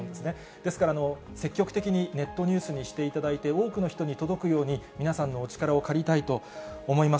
ですから、積極的にネットニュースにしていただいて、多くの人に届くように、皆さんのお力を借りたいと思います。